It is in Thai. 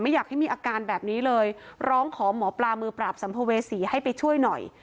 อยากให้มีอาการแบบนี้เลยร้องขอหมอปลามือปราบสัมภเวษีให้ไปช่วยหน่อย